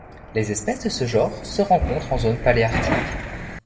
Les espèces de ce genre se rencontrent en zone paléarctique.